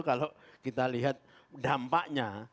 kalau kita lihat dampaknya